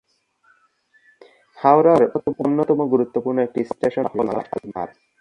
হাওড়ার অন্যতম গুরুত্বপূর্ণ একটি স্টেশন হল শালিমার।